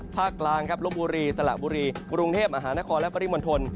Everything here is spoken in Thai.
ภาคล่างครับลบบุรีสละบุรีกรุงเทพฯอาหารคอนและปริมวลทน